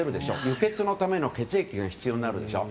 輸血のための血液が必要になる。